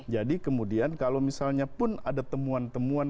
jadi kemudian kalau misalnya pun ada temuan temuan